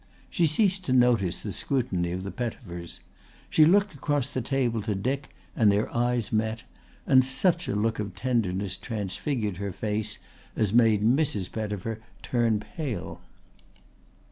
She ceased to notice the scrutiny of the Pettifers. She looked across the table to Dick and their eyes met; and such a look of tenderness transfigured her face as made Mrs. Pettifer turn pale.